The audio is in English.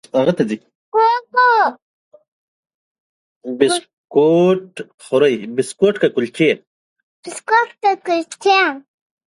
He was also the Chairman of Explorer Park during its formation.